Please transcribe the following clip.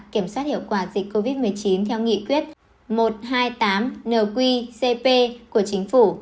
kiểm soát hiệu quả dịch covid một mươi chín theo nghị quyết một trăm hai mươi tám nqcp của chính phủ